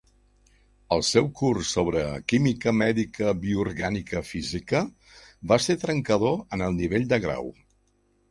El seu curs sobre química mèdica bioorgànica física va ser trencador en el nivell de grau.